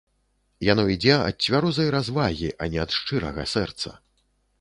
Яно ідзе ад цвярозай развагі, а не ад шчырага сэрца.